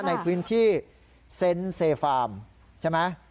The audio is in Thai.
ในพื้นที่เซ็นต์เซฟาร์มใช่ไหม